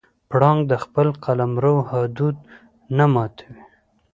پړانګ د خپل قلمرو حدود نه ماتوي.